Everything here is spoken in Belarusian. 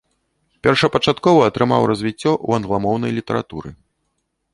Першапачаткова атрымаў развіццё ў англамоўнай літаратуры.